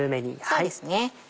そうですね。